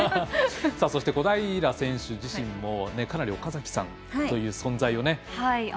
そして小平選手自身もかなり岡崎さんという存在をね。